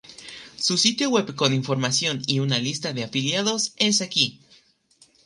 Su sitio web con información y una lista de afiliados es aquí.